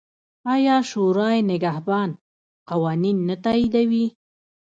آیا شورای نګهبان قوانین نه تاییدوي؟